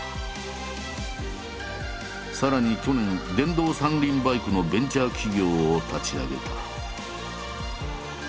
さらに去年電動三輪バイクのベンチャー企業を立ち上げた。